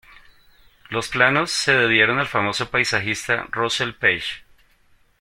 Los planos se debieron al famoso paisajista Russell Page.